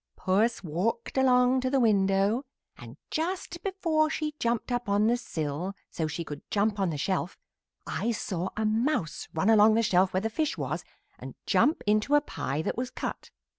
"Puss walked along to the window, and just before she jumped up on the sill so she could jump on the shelf I saw a mouse run along the shelf where the fish was and jump into a pie that was cut.